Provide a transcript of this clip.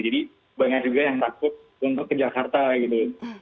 jadi banyak juga yang takut untuk ke jakarta gitu